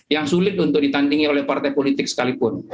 yang sulit untuk ditandingi oleh partai politik sekalipun